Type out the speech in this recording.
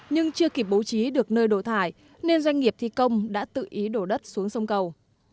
nhưng chưa kịp bố trí được nơi đổ thải nên doanh nghiệp thi công đã tự ý đổ đất xuống sông cầu